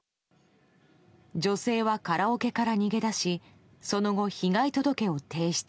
女性はカラオケから逃げ出しその後、被害届を提出。